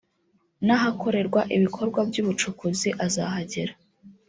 n’ahakorerwa ibikorwa by’ubucukuzi azahagera